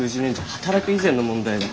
働く以前の問題だ。